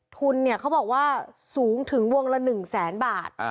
ทุนเนี่ยเขาบอกว่าสูงถึงวงละ๑แสนบาท